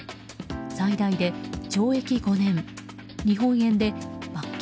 最大で懲役５年日本円で罰金